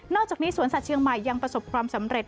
อกจากนี้สวนสัตว์เชียงใหม่ยังประสบความสำเร็จ